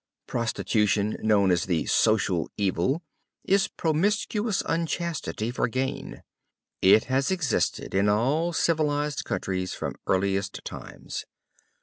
Prostitution, known as the "social evil," is promiscuous unchastity for gain. It has existed in all civilized countries from earliest times.